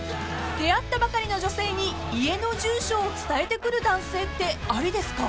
［出会ったばかりの女性に家の住所を伝えてくる男性ってありですか？］